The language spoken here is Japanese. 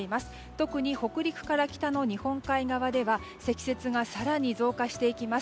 特に北陸から北の日本海側では積雪が更に増加していきます。